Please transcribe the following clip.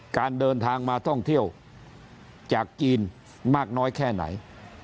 การเดินทางมาท่องเที่ยวจากจีนมากน้อยแค่ไหน